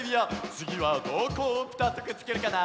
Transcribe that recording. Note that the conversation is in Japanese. つぎはどこをぴたっとくっつけるかな？